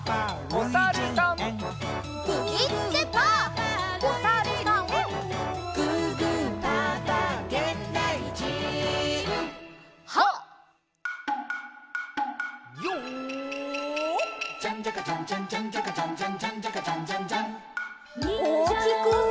おおきく！